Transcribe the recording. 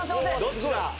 どっちだ！？